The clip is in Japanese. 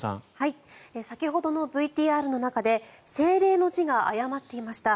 先ほどのＶＴＲの中でセイレイの字が誤っていました。